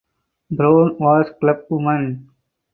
Brown was clubwoman.